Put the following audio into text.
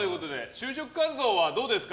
就職活動はどうですか？